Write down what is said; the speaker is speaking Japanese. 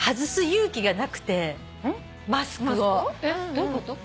どういうこと？